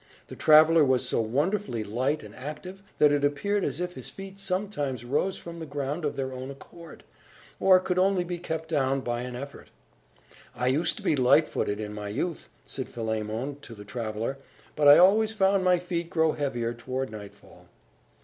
The traveller was so wonderfully light and active that it appeared as if his feet sometimes rose from the ground of their own accord, or could only be kept down by an effort. "I used to be light footed, in my youth," said Philemon to the traveller. "But I always found my feet grow heavier toward nightfall."